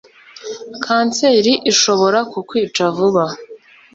kanseri ishobora kukwica vuba